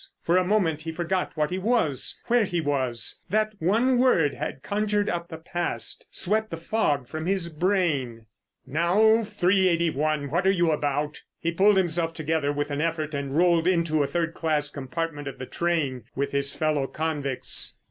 For a moment he forgot what he was, where he was. That one word had conjured up the past, swept the fog from his brain. "Now, 381, what are you about?" He pulled himself together with an effort and rolled into a third class compartment of the train with his fellow convicts.